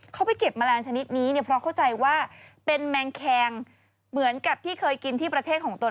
เขาไปเก็บแมลงชนิดนี้เนี่ยเพราะเข้าใจว่าเป็นแมงแคงเหมือนกับที่เคยกินที่ประเทศของตน